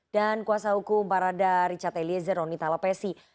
dan kuasa hukum barada richard eliezer roni talapesi